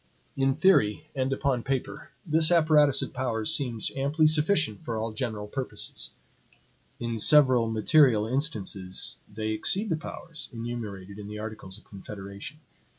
In theory, and upon paper, this apparatus of powers seems amply sufficient for all general purposes. In several material instances, they exceed the powers enumerated in the articles of confederation.